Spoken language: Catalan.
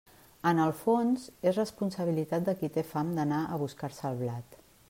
En el fons, és responsabilitat de qui té fam d'anar a buscar-se el blat.